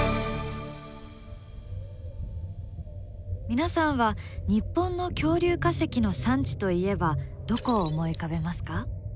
皆さんは日本の恐竜化石の産地といえばどこを思い浮かべますか？